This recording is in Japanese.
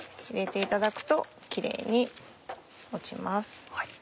入れていただくとキレイに落ちます。